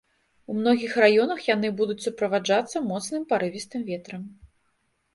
У многіх раёнах яны будуць суправаджацца моцным парывістым ветрам.